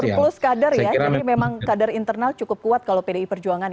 saya kira memang kader internal cukup kuat kalau pdi perjuangan ya